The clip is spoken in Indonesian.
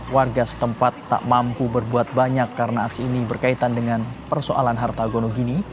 warga setempat tak mampu berbuat banyak karena aksi ini berkaitan dengan persoalan harta gonogini